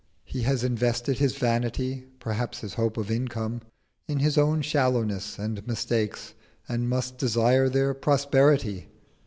He has invested his vanity (perhaps his hope of income) in his own shallownesses and mistakes, and must desire their prosperity.